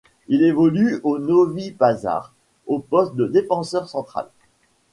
Il évolue au Novi Pazar au poste de défenseur central.